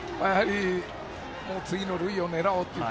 次の塁を狙おうという。